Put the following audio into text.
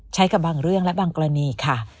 ใช้กับบางเรื่องและบางกรณีค่ะ